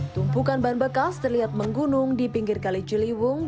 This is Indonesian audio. tumpukan bahan bekas terlihat menggunung di pinggir kali ciliwung